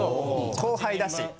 後輩だし。